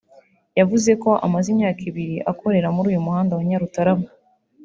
yavuze ko amaze imyaka ibiri akorera muri uyu muhanda wa Nyarutarama